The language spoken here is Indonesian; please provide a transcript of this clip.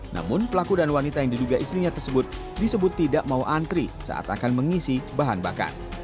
namun pelaku dan wanita yang diduga istrinya tersebut disebut tidak mau antri saat akan mengisi bahan bakar